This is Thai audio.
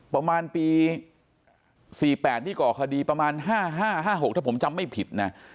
ประมาณปี๔๘ที่ก่อคดีประมาณ๕๕๖ถ้าผมจำไม่ผิดนะ